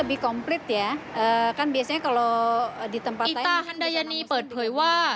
อิฟต้าฮั่นดายนีเปิดเพลย์ว่า